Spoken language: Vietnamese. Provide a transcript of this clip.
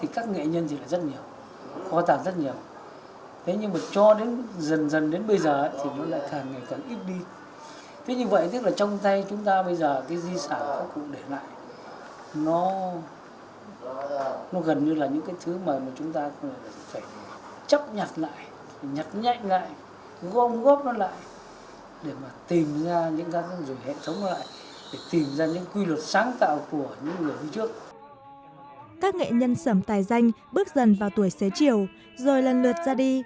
các nghệ nhân sầm tài danh bước dần vào tuổi xế chiều rồi lần lượt ra đi